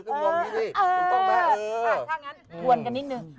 ปวดกันนิดนึง